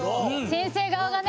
先生側がね。